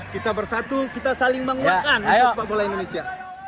kita bersatu kita saling menguatkan sepak bola indonesia